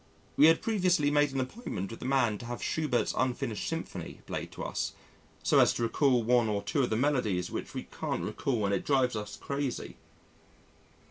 We had previously made an appointment with the man to have Schubert's Unfinished Symphony played to us, so as to recall one or two of the melodies which we can't recall and it drives us crazy.